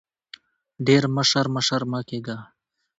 ډېر مشر مشر مه کېږه !